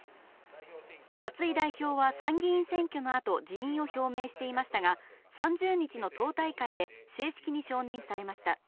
松井代表は参議院選挙のあと、辞任を表明していましたが、３０日の党大会で正式に承認されました。